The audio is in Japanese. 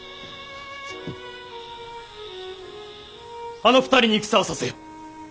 あの２人に戦をさせよ。